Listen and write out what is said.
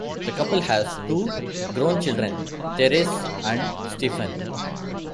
The couple has two grown children, Therese and Stefan.